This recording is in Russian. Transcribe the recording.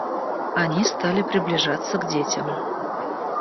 Они стали приближаться к детям.